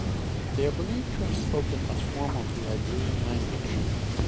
They are believed to have spoken a form of the Iberian language.